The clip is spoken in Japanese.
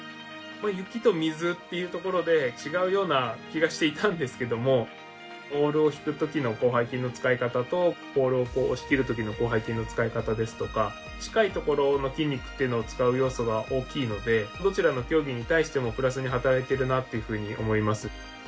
雪と水っていうところで違うような気がしていたんですけどもオールを引くときの広背筋の使い方とオールを押し切るときの広背筋の使い方ですとか近いところの筋肉っていうのを使う要素が大きいのでどちらの競技に対してもプラスに働いているなというふうに思います。